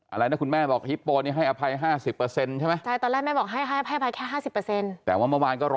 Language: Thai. อะไรนะคุณแม่บอกฮิปโปเนี้ยให้อภัย๕๐ใช่มั้ย